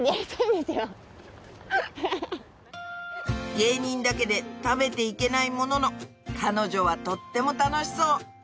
芸人だけで食べていけないものの彼女はとっても楽しそう